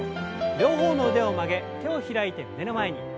両方の腕を曲げ手を開いて胸の前に。